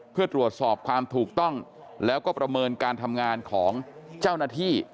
เพื่อตรวจสอบความถูกต้องแล้วก็ประเมินการทำงานของเจ้าหน้าที่